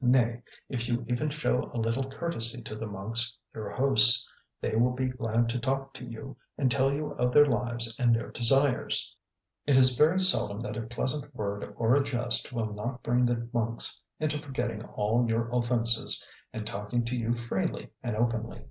Nay, if you even show a little courtesy to the monks, your hosts, they will be glad to talk to you and tell you of their lives and their desires. It is very seldom that a pleasant word or a jest will not bring the monks into forgetting all your offences, and talking to you freely and openly.